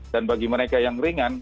dan bagi mereka yang ringan